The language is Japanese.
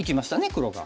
黒が。